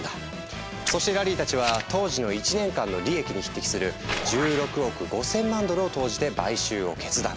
そしてラリーたちは当時の１年間の利益に匹敵する１６億５，０００万ドルを投じて買収を決断。